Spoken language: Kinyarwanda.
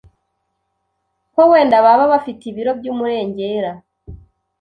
ko wenda baba bafite ibiro by’umurengera,